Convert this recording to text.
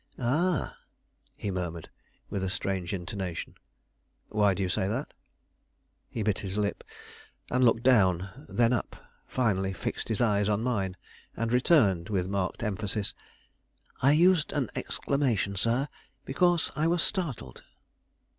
"Ah!" he murmured, with a strange intonation. "Why do you say that?" He bit his lip, looked down, then up, finally fixed his eyes on mine, and returned, with marked emphasis: "I used an exclamation, sir, because I was startled."